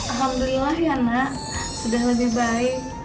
alhamdulillah ya nak sudah lebih baik